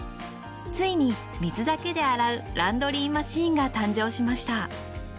ついに水だけで洗うランドリーマシンが誕生しました。